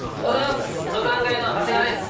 登山ガイドの長谷川です。